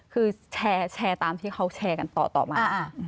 คือแชร์ตามที่เขาแชร์กันต่อมา